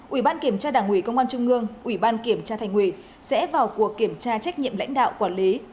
ủy ban kiểm tra đảng ủy công an trung ương ủy ban kiểm tra thành ủy sẽ vào cuộc kiểm tra trách nhiệm lãnh đạo quản lý